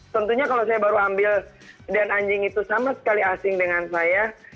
tentunya kalau saya baru ambil dan anjing itu sama sekali asing dengan saya